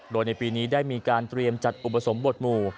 โดยในปีนี้ได้มีการเตรียมจัดอุปสมบทหมู่